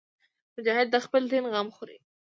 مجاهد د خپل دین غم خوري.